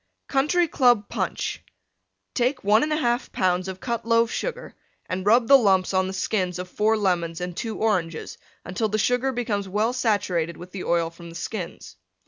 COUNTRY CLUB PUNCH Take 1 1/2 lbs. of Cut Loaf Sugar and rub the lumps on the skins of 4 Lemons and 2 Oranges until the Sugar becomes well saturated with the oil from the skins.